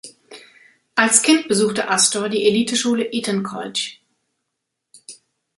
Als Kind besuchte Astor die Eliteschule Eton College.